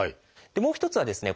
もう一つはですね